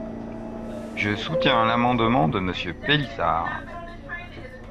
Je soutiens l’amendement de Monsieur Pélissard.